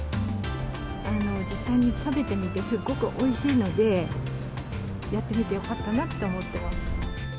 実際に食べてみて、すっごくおいしいので、やってみてよかったなと思ってます。